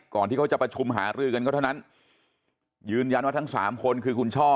ที่เขาจะประชุมหารือกันก็เท่านั้นยืนยันว่าทั้งสามคนคือคุณช่อ